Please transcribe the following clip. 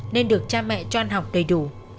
nên được cha mẹ cho ăn học đầy đủ